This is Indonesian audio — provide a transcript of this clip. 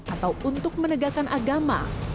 atau untuk menegakkan agama